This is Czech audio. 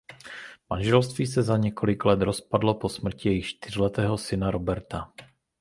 Manželství se za několik let rozpadlo po smrti jejich čtyřletého syna Roberta.